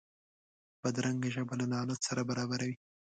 بدرنګه ژبه له لعنت سره برابره وي